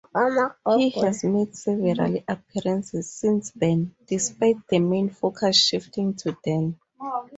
He has made several appearances since then, despite the main focus shifting to Dan.